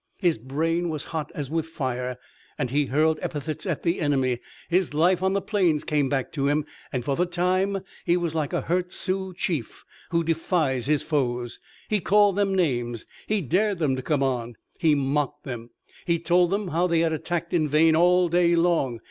His brain was hot as with fire, and he hurled epithets at the enemy. His life on the plains came back to him, and, for the time, he was like a hurt Sioux chief who defies his foes. He called them names. He dared them to come on. He mocked them. He told them how they had attacked in vain all day long.